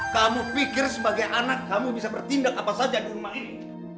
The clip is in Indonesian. kamu pikir sebagai anak kamu bisa bertindak apa saja di rumah ini